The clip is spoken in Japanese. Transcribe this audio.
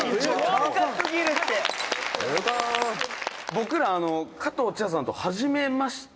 「僕ら、加藤茶さんとはじめまして」